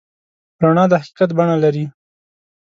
رڼا د حقیقت بڼه لري.